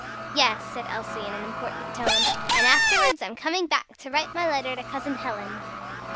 "Yes," said Elsie, in an important tone, "And afterwards I'm coming back to write my letter to Cousin Helen."